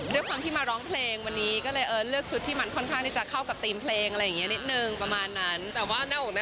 ด้วยความที่มาร้องเพลงวันนี้ก็เลยเลือกชุดที่มันค่อนข้างเลยจะเข้ากับตีมเพลงอะไรอย่างเงี้ยนิดนึงประมาณนั้น